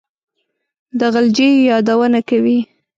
د غلجیو یادونه کوي.